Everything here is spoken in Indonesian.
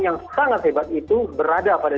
yang sangat hebat itu berada pada